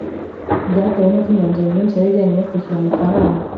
byatewe n'uko imyanzuro myinshi yari ijyanye no kwishyura amafaranga